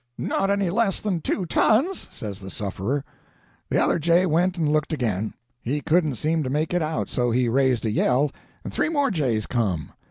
'Not any less than two tons,' says the sufferer. The other jay went and looked again. He couldn't seem to make it out, so he raised a yell, and three more jays come.